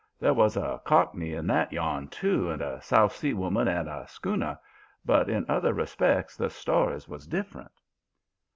There was a Cockney in that yarn, too, and a South Sea woman and a schooner. But in other respects the stories was different.